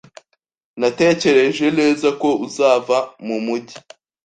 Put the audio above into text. Natekereje neza ko uzava mumujyi.